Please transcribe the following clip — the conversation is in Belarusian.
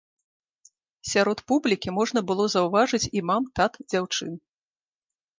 Сярод публікі можна было заўважыць і мам-тат дзяўчын.